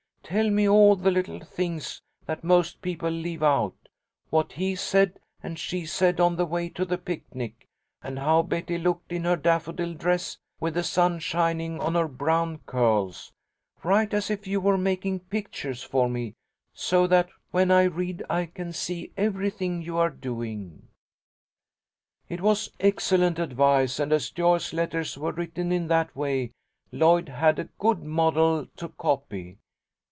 Tell me all the little things that most people leave out; what he said and she said on the way to the picnic, and how Betty looked in her daffodil dress, with the sun shining on her brown curls. Write as if you were making pictures for me, so that when I read I can see everything you are doing.' "It was excellent advice, and as Joyce's letters were written in that way, Lloyd had a good model to copy.